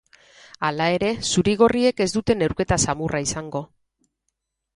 Hala ere, zuri-gorriek ez dute neurketa samurra izango.